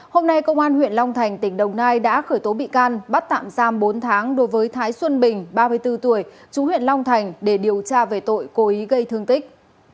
hôm nay công an huyện long thành tỉnh đồng nai đã khởi tố bị can bắt tạm giam bốn tháng đối với thái xuân bình ba mươi bốn tuổi chú huyện long thành để điều tra về tội cố ý gây thương tích